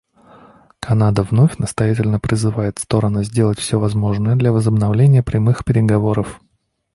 Канада вновь настоятельно призывает стороны сделать все возможное для возобновления прямых переговоров.